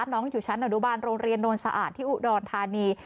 น้องอยู่ชั้นอนุบาลโรงเรียนโนนสะอาดที่อุดรธานี